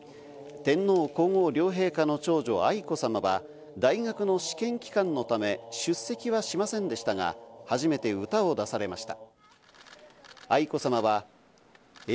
天皇皇后両陛下の長女・愛子さまは、大学の試験期間のため出席はしませんでしたが、初めて歌を出されました。